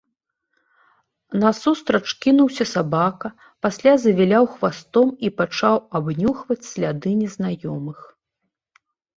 Насустрач кінуўся сабака, пасля завіляў хвастом і пачаў абнюхваць сляды незнаёмых.